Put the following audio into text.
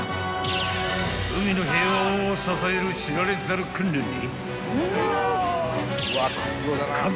［海の平和を支える知られざる訓練に］